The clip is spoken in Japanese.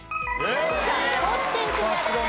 高知県クリアです。